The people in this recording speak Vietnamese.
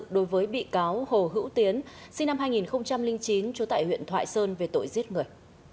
đối với bị cáo hồ hữu tiến sinh năm hai nghìn chín trú tại huyện thoại sơn về tội giết người